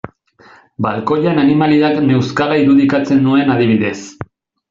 Balkoian animaliak neuzkala irudikatzen nuen adibidez.